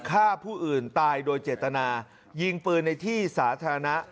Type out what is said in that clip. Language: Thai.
ฆ่าผู้อื่นตายโดยเจตนายิงปืนในที่สาธารณะ